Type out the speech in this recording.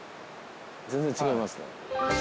全然違いますね。